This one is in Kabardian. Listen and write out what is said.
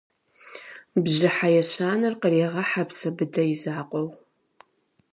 Бжьыхьэ ещанэр къырегъэхьэ Псэбыдэ и закъуэу.